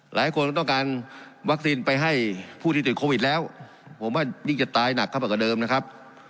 หลายคนต้องการวัคซีนไปให้ผู้ที่ติดโควิดแล้วผมว่ายิ่งจะตายหนักเข้าไปกว่าเดิมนะครับ